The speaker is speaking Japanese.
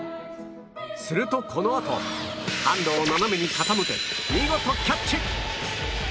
するとこのあとハンドを斜めに傾け見事キャッチ！